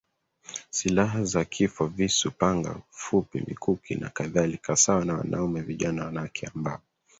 silaha za kifo visu panga fupi mikuki nakadhalika Sawa na wanaume vijana wanawake ambao